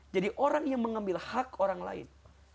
jadi orang yang mengambil hak orang lain